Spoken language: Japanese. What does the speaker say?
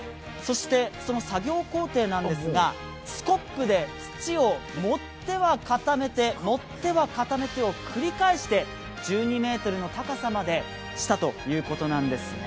作業工程なんですが、スコップで土を盛っては固めて盛っては固めてを繰り返して１２ｍの高さまでしたということなんです。